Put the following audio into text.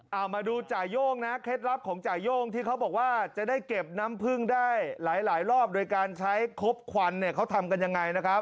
เอามาดูจ่าย่งนะเคล็ดลับของจ่าย่งที่เขาบอกว่าจะได้เก็บน้ำพึ่งได้หลายรอบโดยการใช้ครบควันเนี่ยเขาทำกันยังไงนะครับ